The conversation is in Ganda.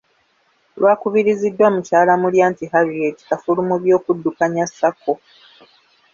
Lwakubiriziddwa Mukyala Mulyanti Harriet, kafulu mu by'okuddukanya sacco.